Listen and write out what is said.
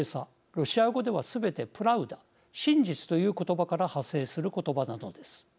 ロシア語ではすべてプラウダ真実という言葉から派生する言葉なのです。